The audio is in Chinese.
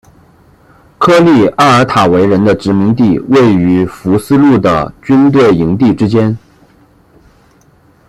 科利埃尔塔维人的殖民地位于福斯路的军队营地之间。